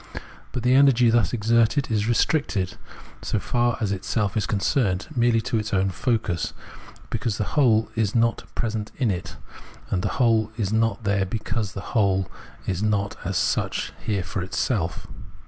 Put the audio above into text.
But the energy thus exerted is restricted, so far as itself is concerned, merely to its own focus, because the whole is not present in it ; and the whole is not there because the whole is not as such here for itself.